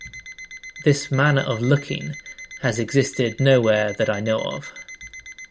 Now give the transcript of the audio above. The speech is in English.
This manner of looking has existed no where that I know of.